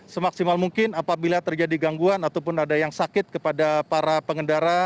semaksimal mungkin apabila terjadi gangguan ataupun ada yang sakit kepada para pengendara